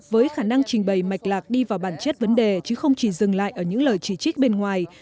với khả năng trình bày mạch lạc đi vào bản chất vấn đề chứ không chỉ dừng lại ở những lời chỉ trích bên ngoài